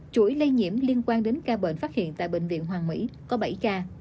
chuỗi lây nhiễm liên quan đến ca bệnh phát hiện tại bệnh viện hoàng mỹ có bảy ca